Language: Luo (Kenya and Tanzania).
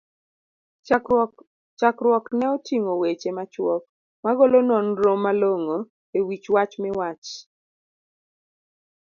chakruokne oting'o weche machuok, magolo nonro malongo e wich wach miwach?